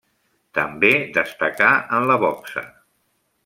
També destacà en la boxa.